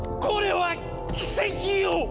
これは奇跡よ！